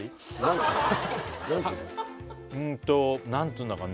うんと何ていうんだかね